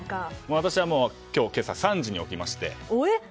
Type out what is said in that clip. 私は今朝３時に起きまして。